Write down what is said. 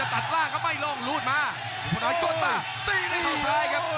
เพิ่มจะตัดร่างก็ไม่ลงลูดมาคุณพลน้อยกดมาตีทางข้าวซ้ายครับ